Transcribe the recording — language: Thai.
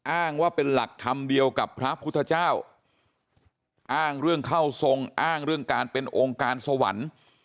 อ้างว่าเป็นหลักธรรมเดียวกับพระพุทธเจ้าอ้างเรื่องเข้าทรงอ้างเรื่องการเป็นองค์การสวรรค์